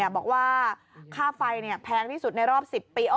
บอกว่าค่าไฟแพงที่สุดในรอบ๑๐ปี